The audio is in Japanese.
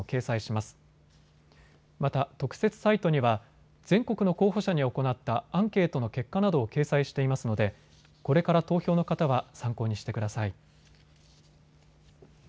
また特設サイトには全国の候補者に行ったアンケートの結果などを掲載していますのでこれから投票の方は参考にしてください。